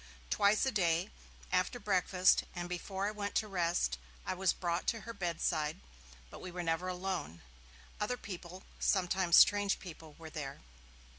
Twice a day, after breakfast and before I went to rest, I was brought to her bedside; but we were never alone; other people, sometimes strange people, were there.